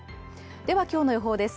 では今日の予報です。